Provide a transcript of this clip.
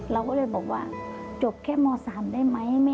เราก็เลยบอกว่าจบแค่ม๓ได้ไหม